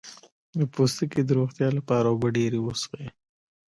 د پوستکي د روغتیا لپاره اوبه ډیرې وڅښئ